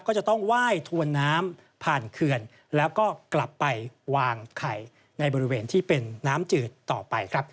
ก็จะต้องไหว้ถวนน้ำผ่านเขื่อนแล้วก็กลับไปวางไข่ในบริเวณที่เป็นน้ำจืดต่อไปครับ